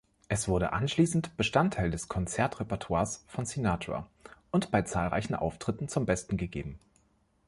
Es wurde anschließend Bestandteil des Konzertrepertoires von Sinatra und bei zahlreichen Auftritten zum Besten gegeben.